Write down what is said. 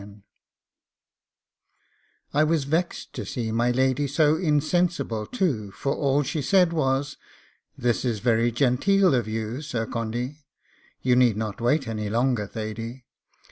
I was vexed to see my lady so insensible too, for all she said was, 'This is very genteel of you, Sir Condy. You need not wait any longer, Thady.